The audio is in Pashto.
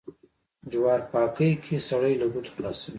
جوار پاکي کې سړی له گوتو خلاصوي.